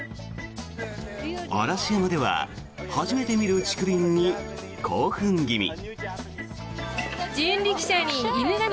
嵐山では初めて見る竹林に興奮気味。